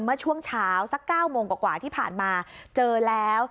เมื่อช่วงเช้าสัก๙โมงกว่าที่ผ่านมาเจอแล้ว